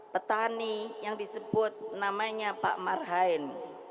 petani yang disebut namanya pak marhain